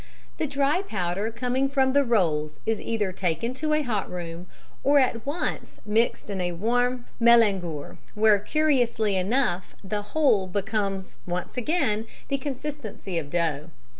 The dry powder coming from the rolls is either taken to a hot room, or at once mixed in a warm mélangeur, where curiously enough the whole becomes once again of the consistency of dough.